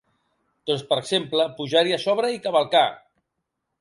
Doncs, per exemple, pujar-hi a sobre i cavalcar!